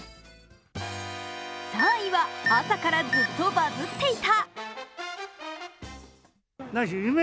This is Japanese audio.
３位は朝からずっとバズっていた。